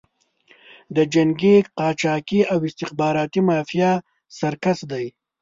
د جنګي قاچاقي او استخباراتي مافیا سرکس دی.